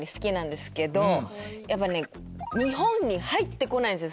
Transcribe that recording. やっぱね日本に入ってこないんですよ。